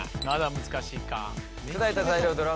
まだ難しいか。